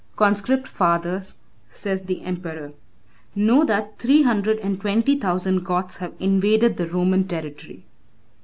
"Conscript fathers," says the emperor, "know that three hundred and twenty thousand Goths have invaded the Roman territory.